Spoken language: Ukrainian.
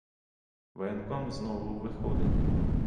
Воєнком знову виходить: